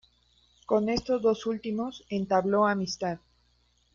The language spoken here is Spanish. Con estos dos últimos entabló amistad.